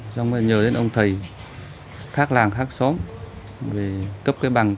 xong rồi nhờ đến ông thầy khác làng khác xóm cấp cái bằng